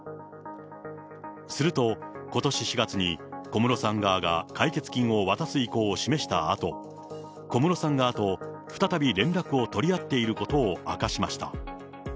すると、ことし４月に小室さん側が解決金を渡す意向を示したあと、小室さん側と、再び連絡を取り合っていることを明かしました。